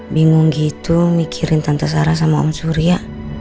bingung gitu mikirin tante sarah sama om surya